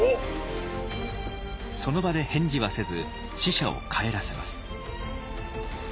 その場で返事はせず使者を帰らせます。